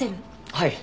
はい。